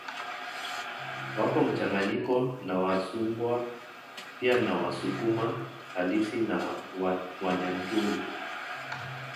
Wako mchanganyiko na Wasumbwa pia na Wasukuma halisi na Wanyantuzu